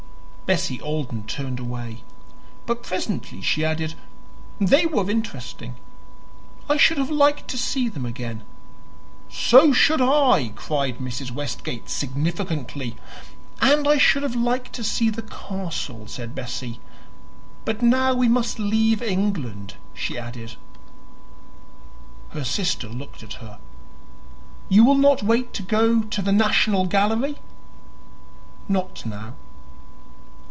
Bessie Alden turned away; but presently she added, "They were interesting; I should have liked to see them again." "So should I!" cried Mrs. Westgate significantly. "And I should have liked to see the castle," said Bessie. "But now we must leave England," she added. Her sister looked at her. "You will not wait to go to the National Gallery?" "Not now."